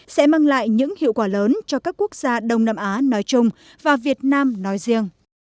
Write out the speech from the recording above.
sẽ mang lại những hiệu quả lớn cho các quốc gia đông nam á nói chung và việt nam nói riêng